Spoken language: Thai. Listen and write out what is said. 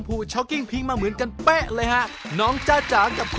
คลุบคลิกคลิกคลุไปใหญ่เลย